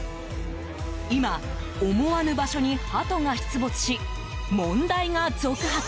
今、思わぬ場所にハトが出没し問題が続発。